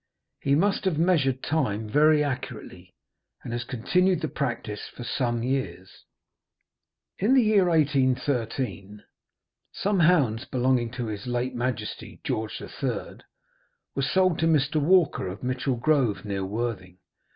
He must have measured time very accurately, and has continued the practice for some years. In the year 1813 some hounds belonging to his late Majesty, George III., were sold to Mr. Walker, of Mitchell Grove, near Worthing.